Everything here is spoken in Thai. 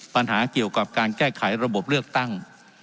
ปัญหาเกี่ยวกับการแก้ไขระบบเลือกตั้ง